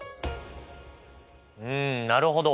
うんなるほど。